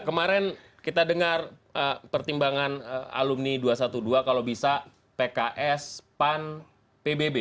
kemarin kita dengar pertimbangan alumni dua ratus dua belas kalau bisa pks pan pbb